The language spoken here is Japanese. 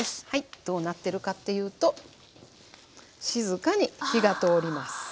はいどうなってるかっていうと静かに火が通ります。